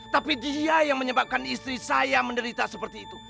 tapi dia yang menyebabkan istri saya menderita seperti itu